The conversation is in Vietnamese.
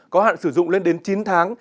có hạn sử dụng lên đến chín tháng